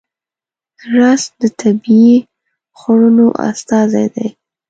رس د طبیعي خوړنو استازی دی